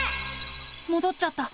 もどっちゃった。